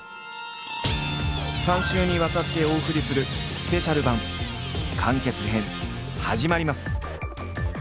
３週にわたってお送りするスペシャル版完結編始まります。